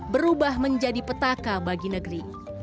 berubah menjadi petaka bagi negeri